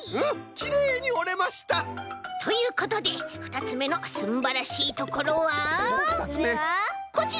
きれいにおれました！ということでふたつめのすんばらしいところはこちら！